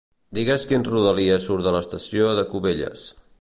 Digues quin Rodalies surt des de l'estació de Cubelles.